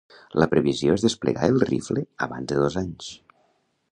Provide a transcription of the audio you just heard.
La previsió és desplegar el rifle abans de dos anys.